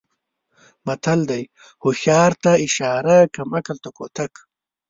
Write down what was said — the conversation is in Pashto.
متل دی: هوښیار ته اشاره کم عقل ته کوتک.